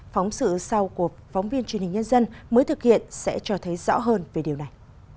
phóng sự sau của phóng viên truyền hình nhân dân mới thực hiện sẽ cho thấy rõ hơn về điều này